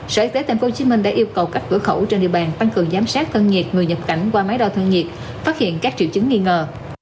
sở y tế tp hcm đã yêu cầu các cửa khẩu trên địa bàn tăng cường giám sát thân nhiệt người nhập cảnh qua máy đo thân nhiệt phát hiện các triệu chứng nghi ngờ